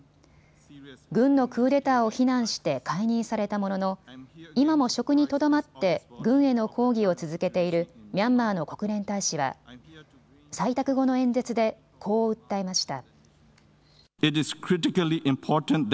軍のクーデターを非難して解任されたものの今も職にとどまって軍への抗議を続けているミャンマーの国連大使は採択後の演説で、こう訴えました。